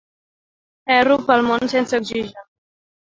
Erro pel món sense oxigen.